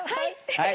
はい。